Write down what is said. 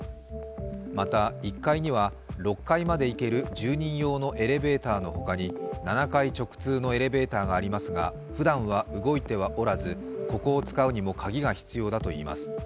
また、１階には、６階まで行ける住人用のエレベーターの他に７階直通のエレベーターがありますが、ふだんは動いてはおらずここを使うにも鍵が必要だといいます。